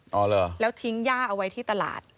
อ๋อเหรอแล้วทิ้งย่าเอาไว้ที่ตลาด